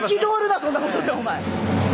そんなことでお前。